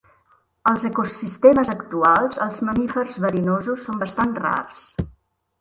Als ecosistemes actuals, els mamífers verinosos són bastant rars.